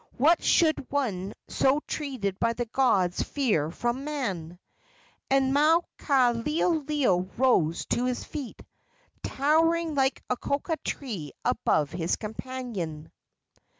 What should one so treated by the gods fear from man?" And Maukaleoleo rose to his feet, towering like a cocoa tree above his companion.